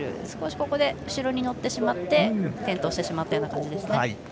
少し後ろに乗ってしまって転倒してしまった感じですね。